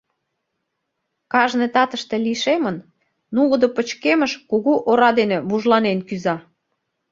кажне татыште лишемын, нугыдо пычкемыш кугу ора дене вужланен кӱза.